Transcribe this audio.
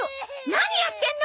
何やってんの！